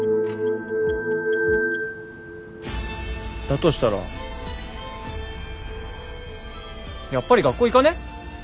だとしたらやっぱり学校行かね？